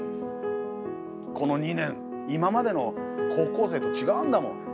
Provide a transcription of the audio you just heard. この２年今までの高校生と違うんだもん。